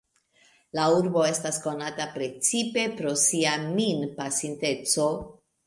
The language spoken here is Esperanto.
La urbo estas konata precipe pro sia min-pasinteco.